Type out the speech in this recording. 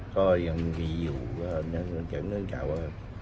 ก็ยังมีอยู่ว่าเนื่องจากว่า